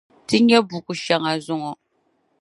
Ti nyɛ buku shɛŋa zɔŋɔ.